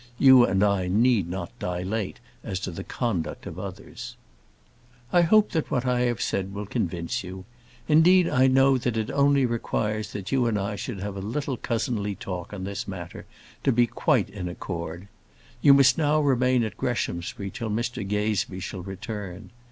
You and I need not dilate as to the conduct of others. I hope what I have said will convince you. Indeed, I know that it only requires that you and I should have a little cousinly talk on this matter to be quite in accord. You must now remain at Greshamsbury till Mr Gazebee shall return.